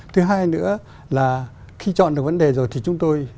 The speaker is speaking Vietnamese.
thứ hai nữa là khi chọn được vấn đề rồi thì chúng tôi